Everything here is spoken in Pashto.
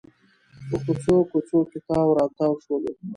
په کوڅو کوڅو کې تاو راتاو شولو.